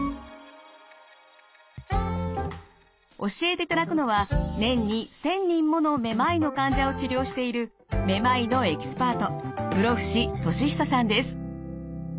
教えていただくのは年に１，０００人ものめまいの患者を治療しているめまいのエキスパート室伏利久さんです。